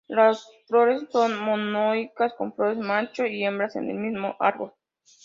Las flores son monoicas, con flores macho y hembras en el mismo árbol.